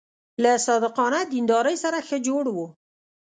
له صادقانه دیندارۍ سره ښه جوړ و.